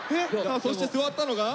そして座ったのが？